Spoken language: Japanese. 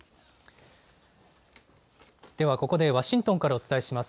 ではここでワシントンからお伝えします。